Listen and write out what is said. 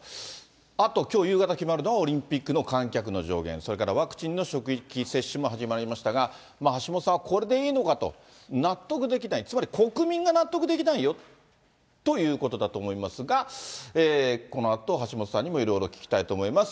あと、きょう夕方決まるのはオリンピックの観客の上限、それからワクチンの職域接種も始まりましたが、橋下さんはこれでいいのかと、納得できない、つまり国民が納得できないよということだと思いますが、このあと橋下さんにもいろいろ聞きたいと思います。